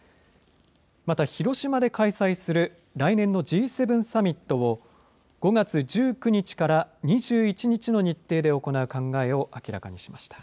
また広島で開催する来年のＧ７サミットを５月１９日から２１日の日程で行う考えを明らかにしました。